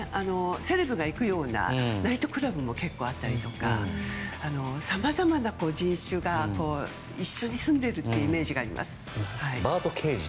セレブが行くようなナイトクラブも結構あったりとかさまざまな人種が一緒に住んでいるというイメージがあります。